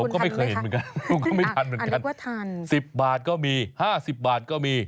ผมก็ไม่เคยเห็นเหมือนกันคุณก็ไม่ทันเหมือนกันสิบบาทก็มีห้าสิบบาทก็มี